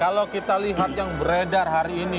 kalau kita lihat yang beredar hari ini